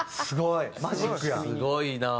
すごいな。